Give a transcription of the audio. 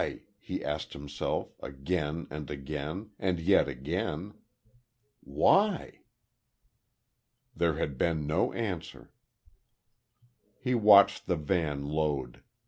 he asked himself, again and again, and yet again. "Why?" ... There had been no answer.... He watched the van load.